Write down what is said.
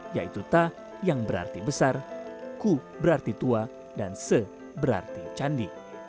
yaitu ta yang berarti besar ku berarti tua dan se berarti candi